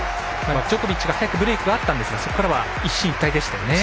ジョコビッチが早くブレークがあったんですがそこからは一進一退でしたよね。